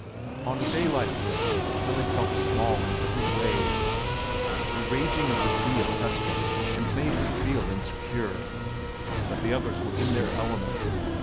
On a day like this Pelle felt small in every way. The raging of the sea oppressed him and made him feel insecure, but the others were in their element.